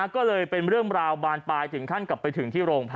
ก็เลยเป็นเรื่องราวบานปลายถึงขั้นกลับไปถึงที่โรงพยาบาล